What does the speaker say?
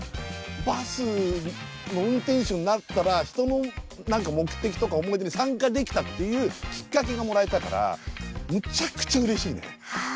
バスの運転手になったら人の目的とか思い出に参加できたっていうきっかけがもらえたからむちゃくちゃうれしいね。